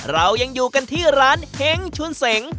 เรายังอยู่กันที่ร้านเฮ้งชุนเสง